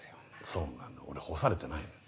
そうなの俺干されてないのよ。